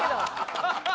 ハハハハ！